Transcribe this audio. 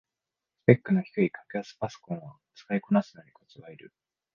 スペックの低い格安パソコンは使いこなすのにコツがいる